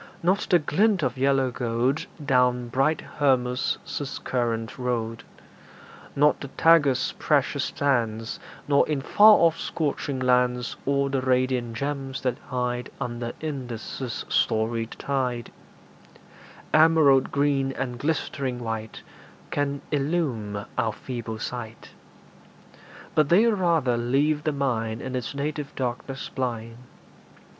Not the glint of yellow gold Down bright Hermus' current rolled; Not the Tagus' precious sands, Nor in far off scorching lands All the radiant gems that hide Under Indus' storied tide Emerald green and glistering white Can illume our feeble sight; But they rather leave the mind In its native darkness blind.